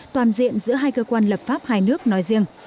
toàn diện giữa hai cơ quan lập pháp hai nước nói riêng